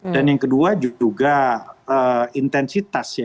dan yang kedua juga intensitas ya